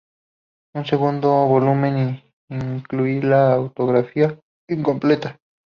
Un segundo volumen incluía la autobiografía incompleta.